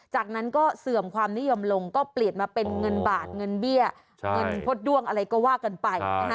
จากนั้นก็เสื่อมความนิยมลงก็เปลี่ยนมาเป็นเงินบาทเงินเบี้ยเงินพดด้วงอะไรก็ว่ากันไป